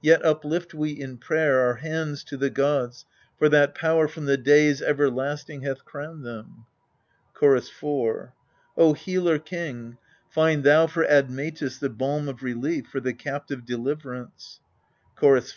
yet uplift we in prayer Our hands to the gods, for that power from the days everlasting hath crowned them. Chorus 4.. O Healer king, Find thou for Admetus the balm of relief, for the captive deliverance ! Chorus 5.